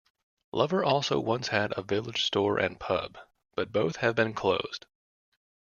Lover also once had a village store and pub, but both have been closed.